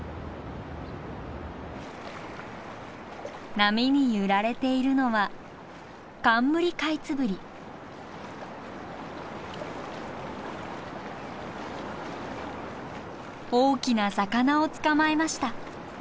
波に揺られているのは大きな魚を捕まえました。